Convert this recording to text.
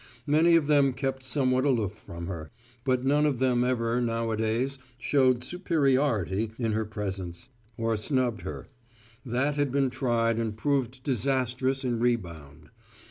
Many of them kept somewhat aloof from her; but none of them ever nowadays showed "superiority" in her presence, or snubbed her: that had been tried and proved disastrous in rebound.